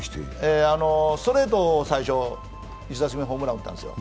ストレートを最初、１打席目でホームラン打ったですよ。